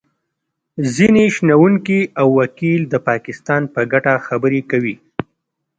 ځینې شنونکي او وکیل د پاکستان په ګټه خبرې کوي